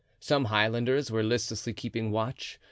Some Highlanders were listlessly keeping watch.